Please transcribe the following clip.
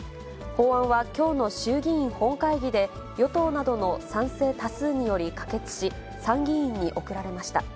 法案はきょうの衆議院本会議で、与党などの賛成多数により可決し、参議院に送られました。